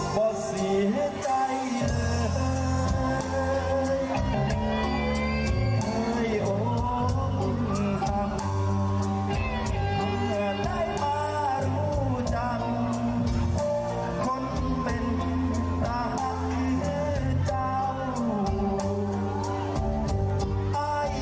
ขอเสียใจขอเสียใจครับขอให้มีคำสุขและรับกันทุกคนด้วยนะครับ